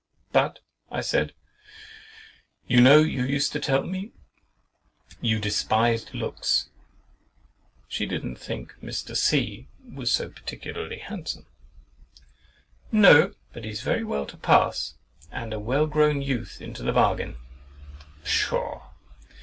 But," I said, "you know you used to tell me, you despised looks."—"She didn't think Mr. C—— was so particularly handsome." "No, but he's very well to pass, and a well grown youth into the bargain." Pshaw!